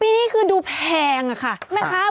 อันนี้คือดูแพงอะค่ะนะคะ